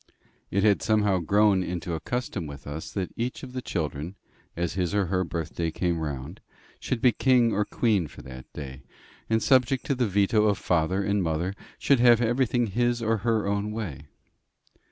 It had somehow grown into a custom with us that each of the children, as his or her birthday came round, should be king or queen for that day, and, subject to the veto of father and mother, should have everything his or her own way.